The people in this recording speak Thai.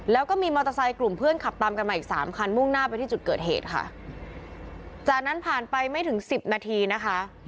แล้วก็มีมอเตอร์ไซค์กลุ่มเพื่อนขับตามกันมาอีกสามคันมุ่งหน้าไปที่จุดเกิดเหตุค่ะจากนั้นผ่านไปไม่ถึงสิบนาทีนะคะ